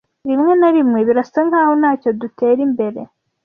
Rimwe na rimwe birasa nkaho ntacyo dutera imbere.